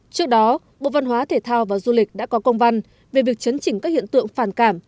trước đó bộ văn hóa thể thao và du lịch đã có công văn về việc chấn chỉnh các hiện tượng phản cảm